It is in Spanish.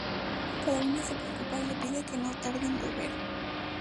Caroline se preocupa y le pide que no tarde en volver.